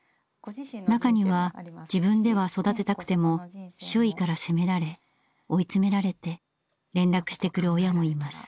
中には自分では育てたくても周囲から責められ追い詰められて連絡してくる親もいます。